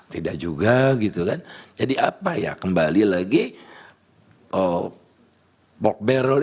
tidak juga gitu kan jadi apa ya kembali lagi box barror